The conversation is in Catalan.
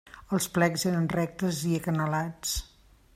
Els plecs eren rectes i acanalats.